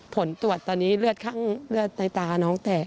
ผลตรวจตอนนี้เลือดในตาน้องแตก